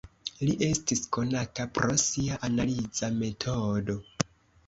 Li estis konata pro sia "Analiza Metodo".